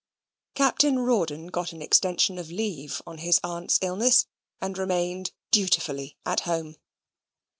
Captain Rawdon got an extension of leave on his aunt's illness, and remained dutifully at home.